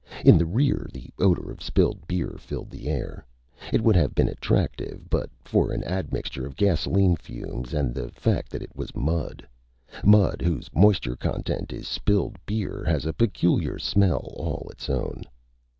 In the rear, the odor of spilled beer filled the air. It would have been attractive but for an admixture of gasoline fumes and the fact that it was mud. Mud whose moisture content is spilled beer has a peculiar smell all its own.